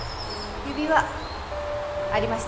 指輪ありましたよ。